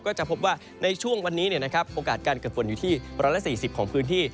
ก็จะพบว่าในช่วงวันนี้โอกาสการเกิดฝนอยู่ที่๑๔๐ของพื้นที่